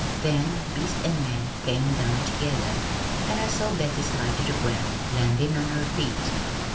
Then beast and man came down together, and I saw Bessie slide to the ground, landin' on her feet.